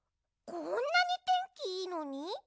こんなにてんきいいのに？